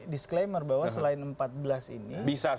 disclaimer bahwa selain empat belas ini